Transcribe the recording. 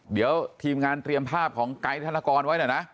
เดี๋ยวทีมงานเตรียมภาพของไกด์ธนกรไว้หน่อยนะ